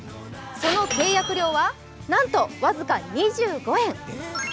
その契約料は、なんとわずか２５円！